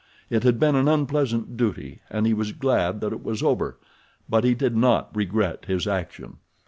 It had been an unpleasant duty and he was glad that it was over; but he did not regret his action.